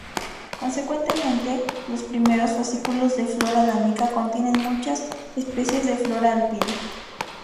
Consecuentemente, los primeros fascículos de Flora Danica contienen muchas especies de flora alpina.